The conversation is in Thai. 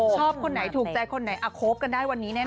คนไหนถูกใจคนไหนอ่ะคบกันได้วันนี้แน่